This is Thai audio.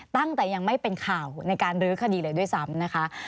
ตั้งแต่ยังไม่เป็นข่าวในการลื้อคดีเลยด้วยซ้ำนะคะ